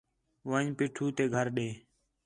ون٘ڄ پیٹھو تے گھر ݙے